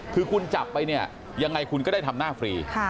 คือคุณจับไปเนี่ยยังไงคุณก็ได้ทำหน้าฟรี